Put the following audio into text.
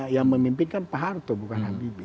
yang memimpinkan pak harto bukan habibie